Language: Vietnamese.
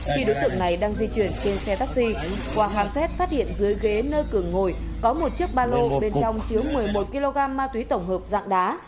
khi đối tượng này đang di chuyển trên xe taxi qua khám xét phát hiện dưới ghế nơi cường ngồi có một chiếc ba lô bên trong chứa một mươi một kg ma túy tổng hợp dạng đá